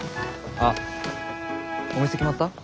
あっお店決まった？